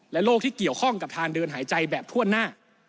โรคที่เกี่ยวข้องกับทางเดินหายใจแบบถ้วนหน้า